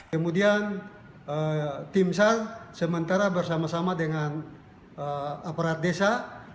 kemudian tim sar sementara bersama sama dengan aparat desa